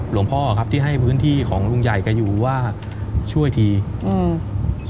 หลวงพ่อครับที่ให้พื้นที่ของลุงใหญ่แกอยู่ว่าช่วยทีอืม